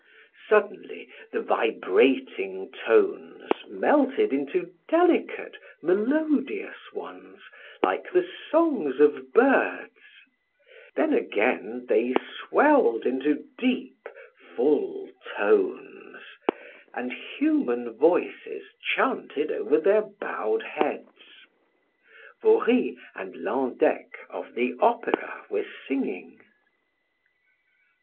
Suddenly the vibrating tones melted into delicate, melodious ones, like the songs of birds; then again they swelled into deep, full tones and human voices chanted over their bowed heads. Vauri and Landeck of the Opera were singing.